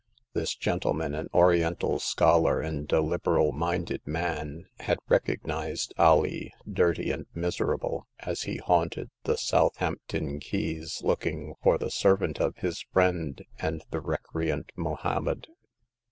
This gentleman, an Oriental scholar and a liberal minded man, had recognized Alee, dirty and miserable, as he haunted the Southampton quays looking for the servant of his friend and the recreant Mohommed.